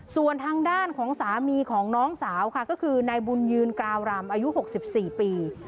ส่วนทางด้านของสามีของน้องสาวค่ะก็คือนายบุญยืนกราวรำอายุ๖๔ปี